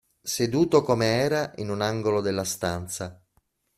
Seduto come era in un angolo della stanza.